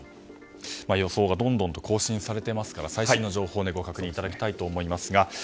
予想がどんどん更新されていますから最新の情報をご確認いただきたいと思います。